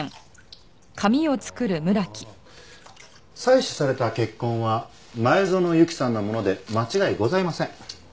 採取された血痕は前園由紀さんのもので間違いございません。